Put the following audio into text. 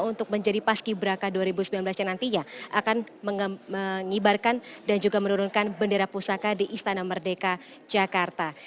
untuk menjadi paski braka dua ribu sembilan belas yang nantinya akan mengibarkan dan juga menurunkan bendera pusaka di istana merdeka jakarta